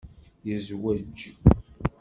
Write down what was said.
Yezwej.